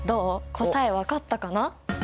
答え分かったかな？